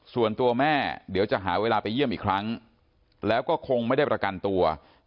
ส่วนตัวแม่เดี๋ยวจะหาเวลาไปเยี่ยมอีกครั้งแล้วก็คงไม่ได้ประกันตัว